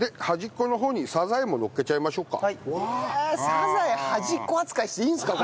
サザエ端っこ扱いしていいんですか？